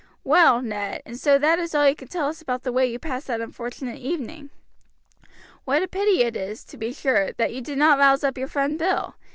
Well, Ned, and so that is all you can tell us about the way you passed that unfortunate evening. What a pity it is, to be sure, that you did not rouse up your friend Bill.